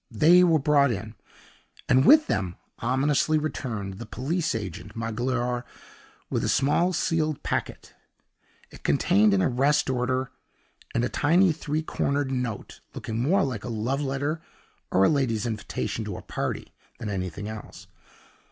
They were brought in, and with them ominously returned the police agent Magloire with a small sealed packet. It contained an arrest order and a tiny three cornered note, looking more like a love letter, or a lady's invitation to a party, than anything else.